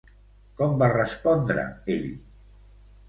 Com va respondre ell?